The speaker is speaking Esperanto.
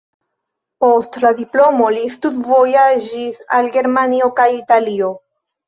Post la diplomo li studvojaĝis al Germanio kaj Italio.